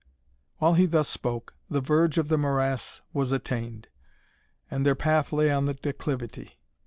While he thus spoke, the verge of the morass was attained, and their path lay on the declivity.